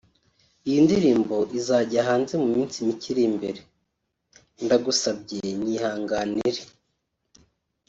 Iyi ndirimbo izajya hanze mu minsi mike iri imbere […] Ndagusabye nyihanganire